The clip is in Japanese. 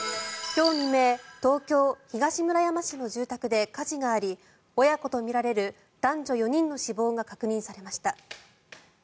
今日未明東京・東村山市の住宅で火事があり親子とみられる男女４人の死亡が確認されました。